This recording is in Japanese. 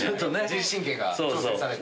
自律神経が刺激されて。